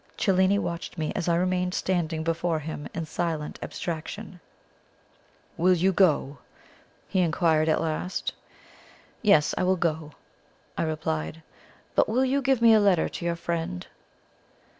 Cellini watched me as I remained standing before him in silent abstraction. "Will you go?" he inquired at last. "Yes; I will go," I replied. "But will you give me a letter to your friend?"